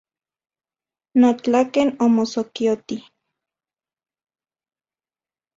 Notlaken omosokioti.